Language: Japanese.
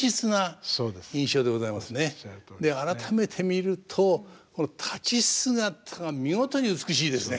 改めて見るとこの立ち姿が見事に美しいですね。